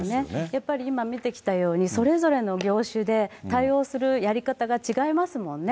やっぱり今見てきたように、それぞれの業種で対応するやり方が違いますもんね。